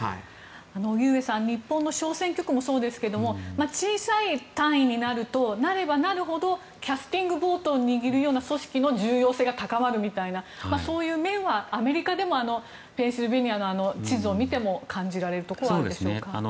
荻上さん日本の小選挙区もそうですが小さい単位になればなるほどキャスティングボートを握るような組織の重要性が高まるみたいなそういう面はアメリカでもペンシルベニアの地図を見ても感じられるところがあるでしょうか。